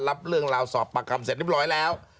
รับเรื่องราวสอบปากคำเสร็จเรียบร้อยแล้ว